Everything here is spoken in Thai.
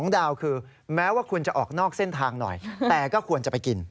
ดาวคือแม้ว่าคุณจะออกนอกเส้นทางหน่อยแต่ก็ควรจะไปกิน